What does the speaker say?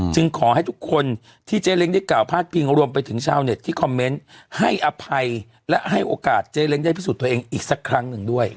ขอให้ทุกคนที่เจ๊เล้งได้กล่าวพาดพิงรวมไปถึงชาวเน็ตที่คอมเมนต์ให้อภัยและให้โอกาสเจ๊เล้งได้พิสูจน์ตัวเองอีกสักครั้งหนึ่งด้วย